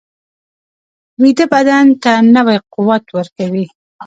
ویده بدن ته نوی قوت ورکوي